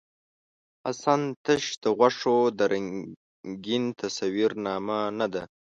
حسن تش د غوښو د رنګین تصویر نامه نۀ ده.